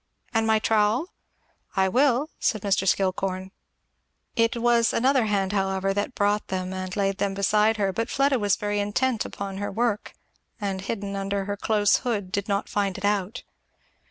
and my trowel?" "I will! " said Mr. Skillcorn. It was another hand however that brought them and laid them beside her; but Fleda very intent upon her work and hidden under her close hood did not find it out.